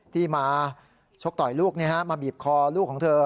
ที่มาชกต่อยลูกมาบีบคอลูกของเธอ